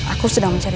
aku sedang mencari